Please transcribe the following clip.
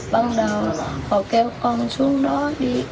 bắt đầu họ kêu con xuống đó đi